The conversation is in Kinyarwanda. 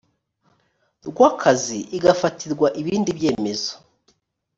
rw akazi igafatirwa ibindi byemezo